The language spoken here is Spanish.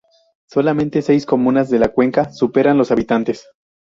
Solamente seis comunas de la cuenca superan los habitantes.